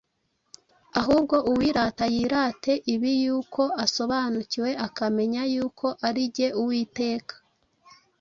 ahubwo, uwirata yirate ibi, yuko asobanukiwe, akamenya yuko ari jye Uwiteka,